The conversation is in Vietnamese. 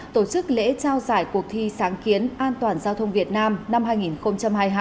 tổ chức lễ trao giải cuộc thi sáng kiến an toàn giao thông việt nam năm hai nghìn hai mươi hai